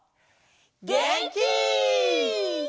げんき！